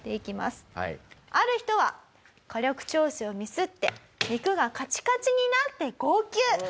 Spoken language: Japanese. ある人は火力調整をミスって肉がカチカチになって号泣。